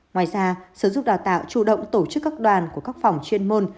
ngoài ra sở dục đào tạo chủ động tổ chức các đoàn của các phòng chuyên môn